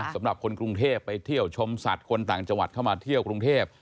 สำหรับคนกรุงเทพไปเที่ยวชมสัตว์คนต่างจังหวัดเข้ามาเที่ยวกรุงเทพ